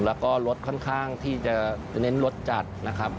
แล้วก็รสค่อนข้างที่จะเน้นรสจัดนะครับ